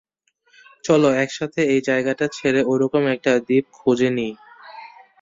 চলো, একসাথে এই জায়গাটা ছেড়ে ওরকম একটা দ্বীপ খুঁজে নিই।